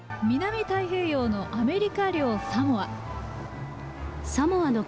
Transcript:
南太平洋のアメリカ領サモア。